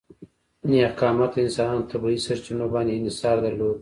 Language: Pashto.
نېغ قامته انسانانو طبیعي سرچینو باندې انحصار درلود.